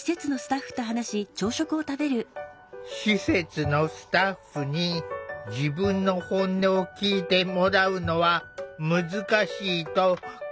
施設のスタッフに自分の本音を聴いてもらうのは難しいと感じてきた。